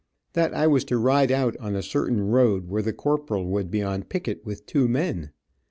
That I was to ride out on a certain road, where the corporal would be on picket with two men.